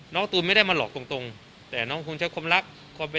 น้องกระตูนไม่ได้มาหลอกตรงตรงแต่น้องคุณใช้ความรักความเบ็ด